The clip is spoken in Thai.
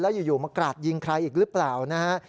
อยู่มากราดยิงใครอีกหรือเปล่านะฮะ